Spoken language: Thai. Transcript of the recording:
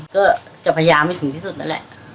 ก็จะพยายามให้ถึงที่สุดนั่นแหละ